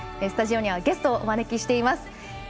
スタジオにはゲストをお招きしております。